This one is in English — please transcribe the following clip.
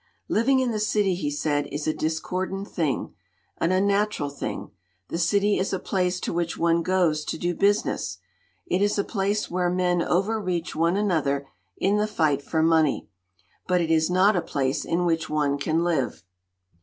"Living in the city," he said, "is a discordant thing, an unnatural thing. The city is a place to which one goes to do business; it is a place where men overreach one another in the fight for money. But it is not a place in which one can live.